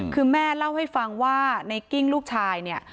คือแม่เล่าให้ฟังว่าในกิ้งลูกชายเนี่ย